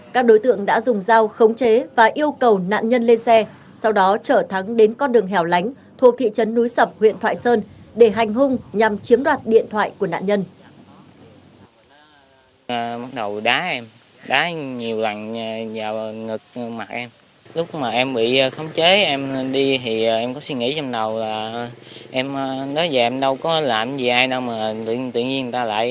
các đối tượng đã dùng dao khống chế và yêu cầu nạn nhân lên xe sau đó trở thắng đến con đường hẻo lánh thuộc thị trấn núi sập huyện thoại sơn để hành hung nhằm chiếm đoạt điện thoại của nạn nhân